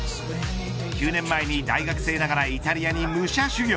９年前に大学生ながらイタリアに武者修行。